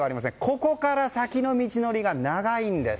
ここから先の道のりが長いんです。